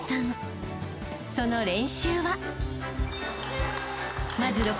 ［その練習は］